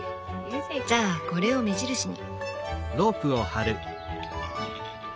じゃあこれを目印に。